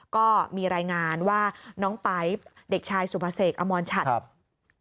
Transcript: ก็มีรายงานว่าน้องไป๊เด็กชายสุภเสกอมรชัด